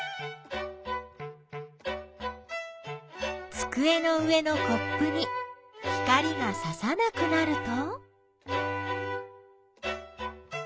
つくえの上のコップに光がささなくなると。